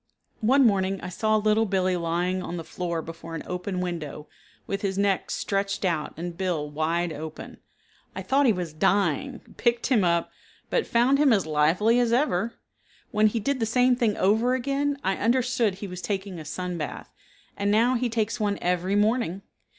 One morning I saw Little Billee lying on the floor before an open window with his neck stretched out and bill wide opened. I thought he was dying, picked him up, but found him as lively as ever. When he did the same thing over again I understood he was taking a sun bath, and now he takes one every morning.